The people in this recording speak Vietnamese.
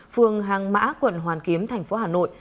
phường hàng mã quận hoàn kiếm thành phố hà nội